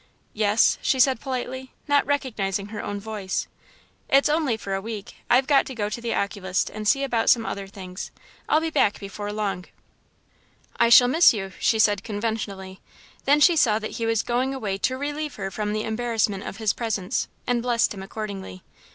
"Yes," she said, politely, not recognising her own voice. "It's only for a week I've got to go to the oculist and see about some other things. I'll be back before long." "I shall miss you," she said, conventionally. Then she saw that he was going away to relieve her from the embarrassment of his presence, and blessed him accordingly.